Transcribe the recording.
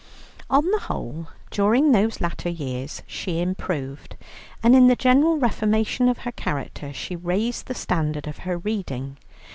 On the whole during those latter years she improved, and in the general reformation of her character she raised the standard of her reading.